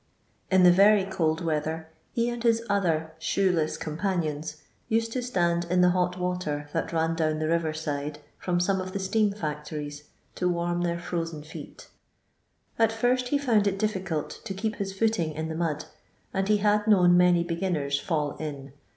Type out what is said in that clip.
In the very cold weather he and his other shoe less companions used to stand in the hot water that ran down the rirer side from some of the steam fiictories, to warm their froaen feet. At first he found it difficult to keep his footing in the mud, and he had known many beginners fall in.